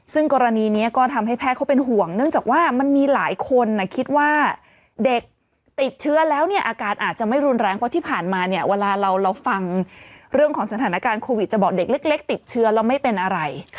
ซึ่งกรณีนี้ก็ทำให้แพทย์เขาเป็นห่วงเนื่องจากว่ามันมีหลายคนคิดว่าเด็กติดเชื้อแล้วเนี่ยอาการอาจจะไม่รุนแรงเพราะที่ผ่านมาเนี่ยเวลาเราฟังเรื่องของสถานการณ์โควิดจะบอกเด็กเล็กติดเชื้อแล้วไม่เป็นอะไร